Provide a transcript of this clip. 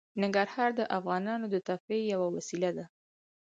ننګرهار د افغانانو د تفریح یوه وسیله ده.